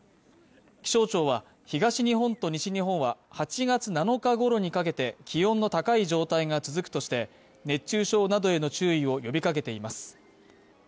気象庁は、東日本と西日本は８月７日ごろにかけて気温の高い状態が続くとして、熱中症などへの注意を呼びかけています。